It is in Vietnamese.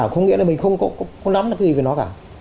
không nghĩa là mình không nắm được gì về nó cả